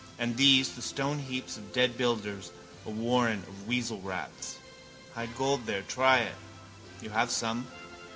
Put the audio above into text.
And these, the stoneheaps of dead builders, a warren of weasel rats. Hide gold there. Try it. You have some.